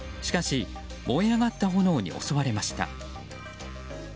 しかし燃え上がった炎に襲われました。